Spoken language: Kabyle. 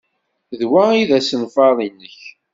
D wa ay d asenfar-nnek?